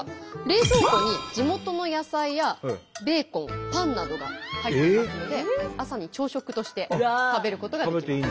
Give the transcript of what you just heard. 冷蔵庫に地元の野菜やベーコンパンなどが入っていますので朝に朝食として食べることができます。